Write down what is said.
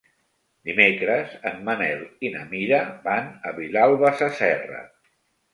Dimecres en Manel i na Mira van a Vilalba Sasserra.